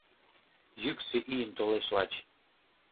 Йӱксӧ ийын толеш лач.